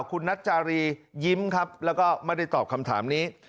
คุณนัจจารียิ้มครับแล้วก็ไม่ได้ตอบคำถามนี้